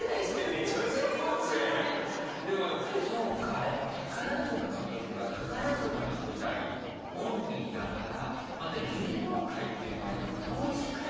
でもそうかやっぱ宝塚のときは宝塚の舞台オンリーだからまた芸能界っていうのは遠い世界なんですね。